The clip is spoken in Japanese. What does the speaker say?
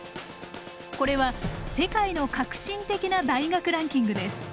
これは世界の革新的な大学ランキングです。